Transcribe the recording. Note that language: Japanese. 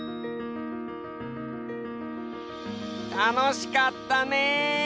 たのしかったね！